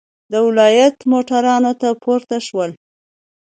د ولایت موټرانو ته پورته شولو.